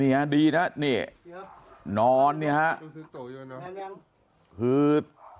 นี่นะครับดีนะนี่นอนนะครับ